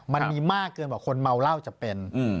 มันมีมากเกินกว่าคนเมาเหล้าจะเป็น